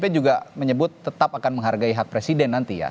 p juga menyebut tetap akan menghargai hak presiden nanti ya